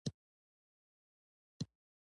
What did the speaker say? د تلویزیون خبرونه هره شپه خپرېږي.